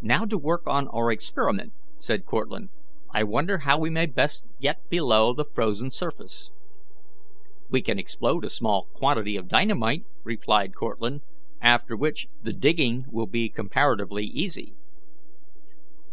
"Now to work on our experiment," said Cortlandt. "I wonder how we may best get below the frozen surface?" "We can explode a small quantity of dynamite," replied Bearwarden, "after which the digging will be comparatively easy."